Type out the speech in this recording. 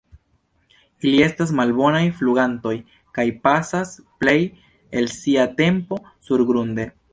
Ili estas malbonaj flugantoj kaj pasas plej el sia tempo surgrunde.